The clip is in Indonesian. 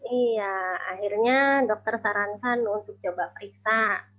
iya akhirnya dokter sarankan untuk coba periksa